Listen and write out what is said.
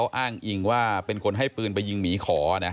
อ้างอิงว่าเป็นคนให้ปืนไปยิงหมีขอนะ